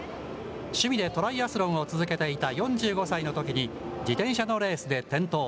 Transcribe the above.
趣味でトライアスロンを続けていた４５歳のときに、自転車のレースで転倒。